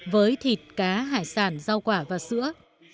với thịt cá hải sản rau quả và sữa